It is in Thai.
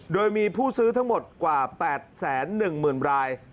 โดยมีผู้ซื้อทั้งหมดกว่า๘แสน๑เมื่อนบราย